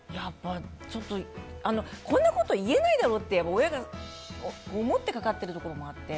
こんなこと言えないだろうって親が思ってかかってるところもあって。